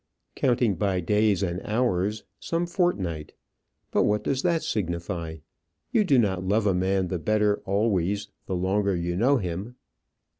"Counting by days and hours, some fortnight. But what does that signify? You do not love a man the better always, the longer you know him.